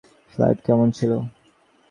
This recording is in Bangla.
ফ্লাইট কেমন ছিল?